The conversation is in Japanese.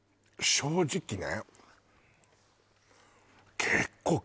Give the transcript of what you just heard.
正直ね